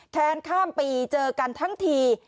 แค้นข้ามปีเจอกันทั้งที